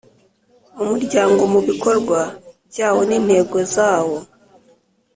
umuryango mu bikorwa byawo n’ intego zawo